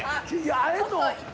会えんの？